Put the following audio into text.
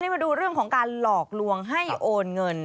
มาดูเรื่องของการหลอกลวงให้โอนเงิน